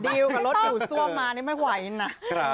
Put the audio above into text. ดิวกับรถดูดซ่วมมานี่ไม่ไหวนะ